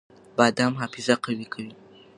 بادام حافظه قوي کوي.